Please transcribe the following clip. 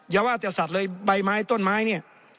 อย่าว่าแต่สัตว์เลยใบไม้ต้นไม้เนี่ย